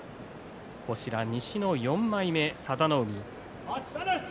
西の４枚目佐田の海